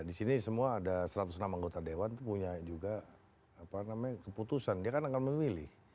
di sini semua ada satu ratus enam anggota dewan itu punya juga keputusan dia kan akan memilih